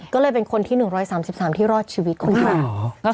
ก็เลยเป็นคนที่๑๓๓ที่รอดชีวิตคนไทย